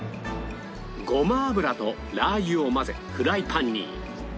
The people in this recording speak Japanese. ごま油とラー油を混ぜフライパンに